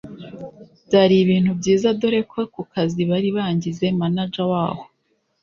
byari ibintu byiza doreko kukazi bari bangize manager waho